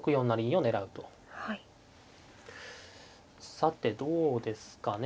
さてどうですかね